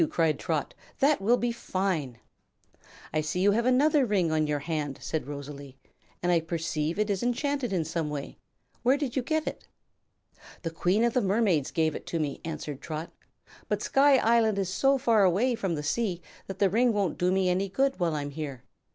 cried Trot. "That will be fine." "I see you have another ring on your hand," said Rosalie, "and I perceive it is enchanted in some way. Where did you get it?" "The Queen of the Mermaids gave it to me," answered Trot; "but Sky Island is so far away from the sea that the ring won't do me any good while I'm here.